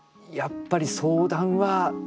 やっぱり相談は。